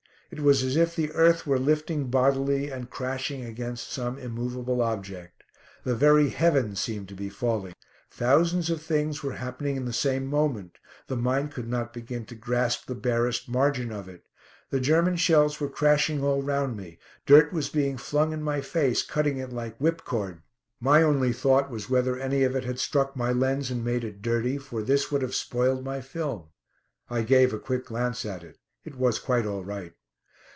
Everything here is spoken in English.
It was as if the earth were lifting bodily, and crashing against some immovable object. The very heavens seemed to be falling. Thousands of things were happening at the same moment. The mind could not begin to grasp the barest margin of it. The German shells were crashing all round me. Dirt was being flung in my face, cutting it like whipcord. My only thought was whether any of it had struck my lens and made it dirty, for this would have spoiled my film. I gave a quick glance at it. It was quite all right.